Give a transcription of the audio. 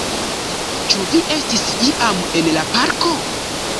Ĉu vi estis iam en la parko?